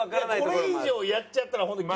これ以上やっちゃったらホントに。